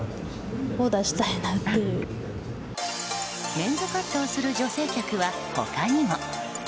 メンズカットをする女性客は他にも。